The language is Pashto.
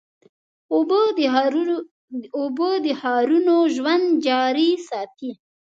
اوبه د ښارونو ژوند جاري ساتي.